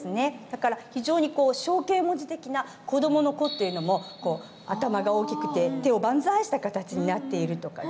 だから非常に象形文字的な子どもの「子」というのも頭が大きくて手を万歳した形になっているとかですね。